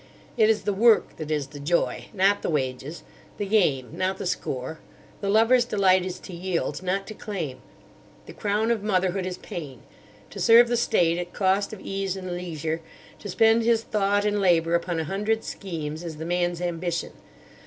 It is the work that is the joy, not the wages; the game, not the score. The lover's delight is to yield, not to claim. The crown of motherhood is pain. To serve the State at cost of ease and leisure; to spend his thought and labour upon a hundred schemes, is the man's ambition.